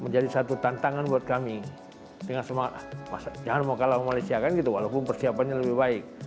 menjadi satu tantangan buat kami dengan semangat jangan mau kalah sama malaysia walaupun persiapannya lebih baik